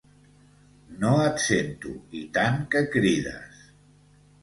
No et sento i tant que crides